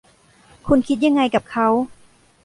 คุณคิดยังไงกับเขา